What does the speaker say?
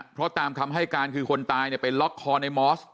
เพราะตามคำให้การคือคนตายไปล็อกคอในมอส